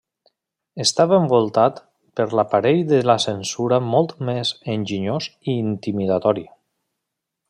Estava envoltat per l'aparell de la censura molt més enginyós i intimidatori.